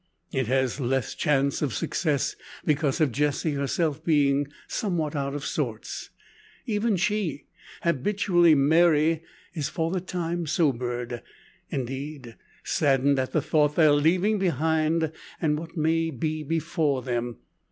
It has less chance of success, because of Jessie herself being somewhat out of sorts. Even she, habitually merry, is for the time sobered; indeed saddened at the thought of that they are leaving behind, and what may be before them.